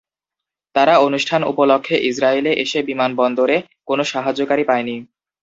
তারা অনুষ্ঠান উপলক্ষে ইসরায়েলে এসে বিমান বন্দরে কোন সাহায্যকারী পায়নি।